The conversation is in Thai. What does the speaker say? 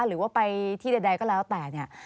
หรือว่าไปที่ใดก็แล้วแต่เนี่ย